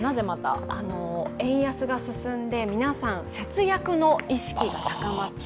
円安が進んで皆さん、節約の意識が高まった。